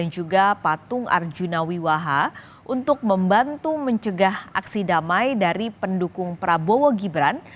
juga patung arjuna wiwaha untuk membantu mencegah aksi damai dari pendukung prabowo gibran